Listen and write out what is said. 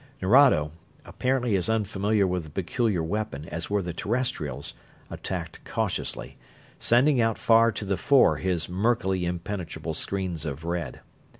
Nerado, apparently as unfamiliar with the peculiar weapon as were the Terrestrials, attacked cautiously; sending out far to the fore his murkily impenetrable screens of red.